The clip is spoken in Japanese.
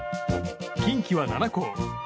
近畿は７校。